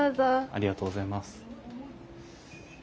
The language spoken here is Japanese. ありがとうございます。